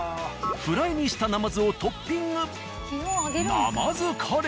フライにしたなまずをトッピング。